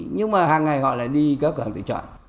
nhưng mà hàng ngày họ lại đi các cửa hàng tiện chọn